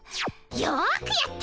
よくやった。